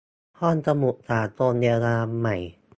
ห้องสมุดสากลเยอรมันใหม่